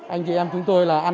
anh chị em chúng tôi